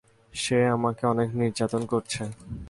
সে আমাকে অনেক নির্যাতন করছে।